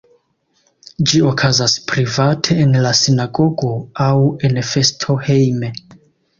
Ĝi okazas private en la sinagogo aŭ en festo hejme.